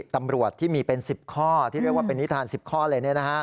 ตำรวจที่มีเป็น๑๐ข้อที่เรียกว่าเป็นนิทาน๑๐ข้อเลย